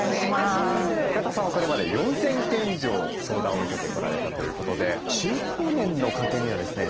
深田さんはこれまで４，０００件以上相談を受けてこられたということで中高年の家計にはですね